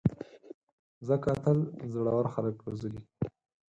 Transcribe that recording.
مځکه تل زړور خلک روزلي.